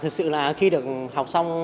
thật sự là khi được học xong